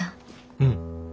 うん。